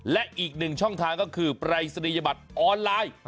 และอีกหนึ่งช่องทางก็คือปรายศนียบัตรออนไลน์